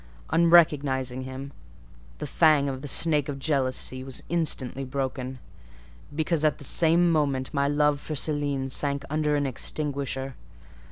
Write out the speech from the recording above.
On recognising him, the fang of the snake Jealousy was instantly broken; because at the same moment my love for Céline sank under an extinguisher.